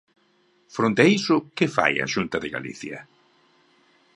Fronte a isto, ¿que fai a Xunta de Galicia?